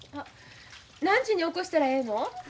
何時に起こしたらええの？